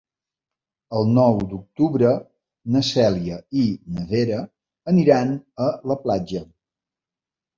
El nou d'octubre na Cèlia i na Vera aniran a la platja.